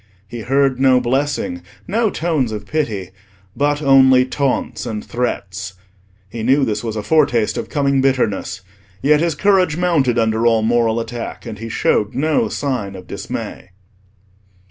He heard no blessing, no tones of pity, but only taunts and threats. He knew this was a foretaste of coming bitterness; yet his courage mounted under all moral attack, and he showed no sign of dismay.